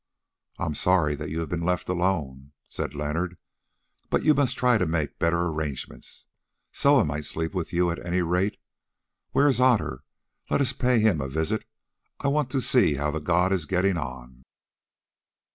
"I am sorry that you have been left alone," said Leonard, "but you must try to make better arrangements. Soa might sleep with you, at any rate. Where is Otter? Let us pay him a visit; I want to see how the god is getting on."